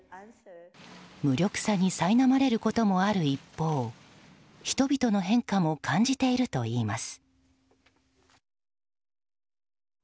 無力さにさいなまれることもある一方人々の変化も感じているといいます。